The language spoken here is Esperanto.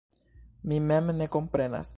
Mi mem ne komprenas.